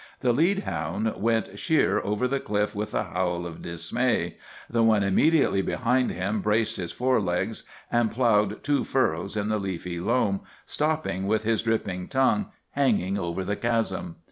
The lead hound went sheer over the cliff with a howl of dismay; the one immediately behind him braced his fore legs and ploughed two furrows in the leafy loam, stopping with his dripping tongue hanging over the chasm.